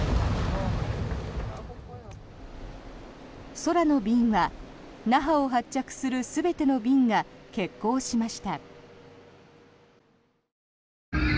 空の便は那覇を発着する全ての便が欠航しました。